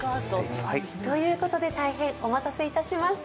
ということで大変、お待たせいたしました。